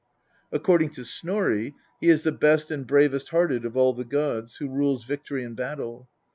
According to Snorri, "he is the best and bravest hearted of all the gods, who rules victory in battle."